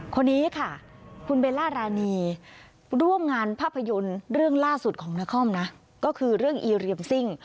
คนนี้ค่ะคุณเบลล่ารานีร่วมงานภาพยนตร์เรื่องล่าสุดของนครนะก็คือเรื่องอีเรียมซิ่ง